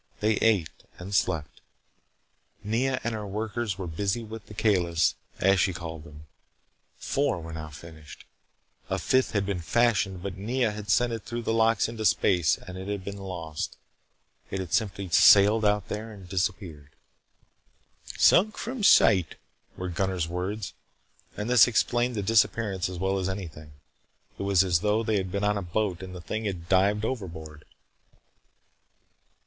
They ate and slept. Nea and her workers were busy with the Kalis, as she called them. Four were now finished. A fifth had been fashioned, but Nea had sent it through the locks into space and it had been lost. It had simply sailed out there and disappeared. "Sunk from sight," were Gunnar's words, and this explained the disappearance as well as anything. It was as though they had been on a boat and the thing had dived overboard.